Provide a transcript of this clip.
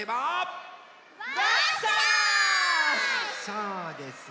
そうです。